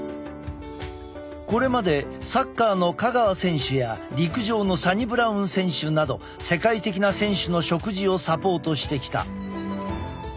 これまでサッカーの香川選手や陸上のサニブラウン選手など世界的な選手の食事をサポートしてきた。